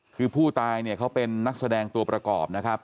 คือผู้ตายเขาเป็นนักแสดงตัวประกอบ